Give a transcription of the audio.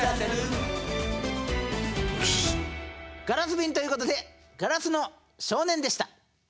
ガラスびんということで「硝子の少年」でした。